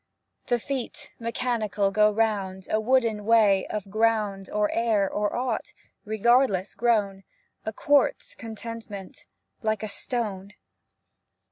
The feet mechanical Go round a wooden way Of ground or air or Ought, regardless grown, A quartz contentment like a stone.